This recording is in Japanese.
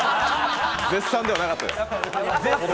絶賛ではなかったです。